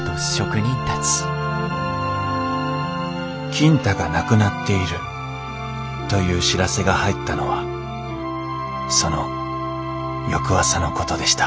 金太が亡くなっているという知らせが入ったのはその翌朝のことでした